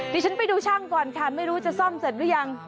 ดิฉันไปดูช่างก่อนค่ะไม่รู้จะซ่อมเสร็จหรือยัง